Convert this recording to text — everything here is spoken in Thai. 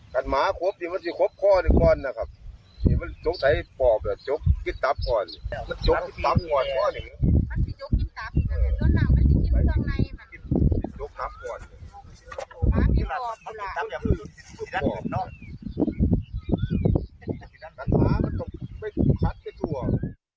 คะเรียนเมยาวคอยขอบรรทุน